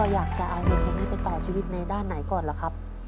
อยากจะเอาเหตุผลนี้ไปต่อชีวิตในด้านไหนก่อนหรือครับ